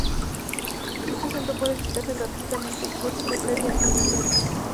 Dicho Centro puede visitarse gratuitamente con cita previa en la Oficina de Turismo.